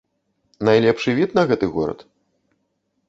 Найлепшы від на гэты горад?